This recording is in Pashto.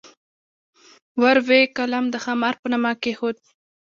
ور وې قلم د خامار په نامه کېښود.